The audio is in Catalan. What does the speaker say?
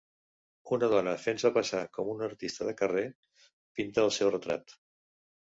Una dona fent-se passar com una artista de carrer pinta el seu retrat.